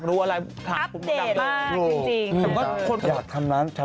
กลับมาเจอกันหลังทั่วโครงชาติอย่างนี้นะฮะ